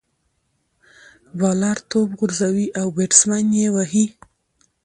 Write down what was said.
بالر توپ غورځوي، او بيټسمېن ئې وهي.